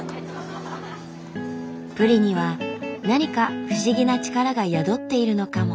プリには何か不思議な力が宿っているのかも。